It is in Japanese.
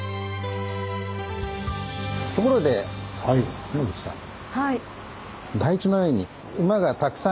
ところで野口さん。